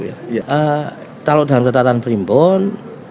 kalau dalam ketatan berimpun